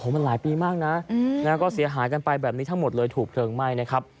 มันหลายปีมากนะก็เสียหายกันไปแบบนี้ทั้งหมดเลยถูกเพลิงไหม้นะครับ